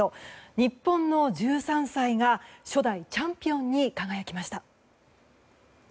日本の１３歳が初代チャンピオンに輝きました。